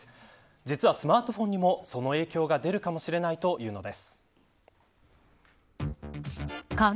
実は、スマートフォンにもその影響が出るかもしれないというのです。